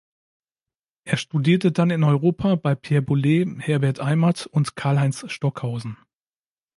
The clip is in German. Er studierte dann in Europa bei Pierre Boulez, Herbert Eimert und Karlheinz Stockhausen.